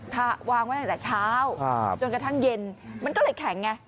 ถ้าวางไว้ตั้งแต่เช้าจนกระทั่งเย็นมันก็เลยแข็งไง